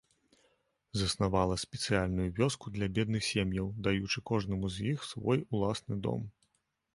Заснавала спецыяльную вёску для бедных сем'яў, даючы кожнаму з іх свой уласны дом.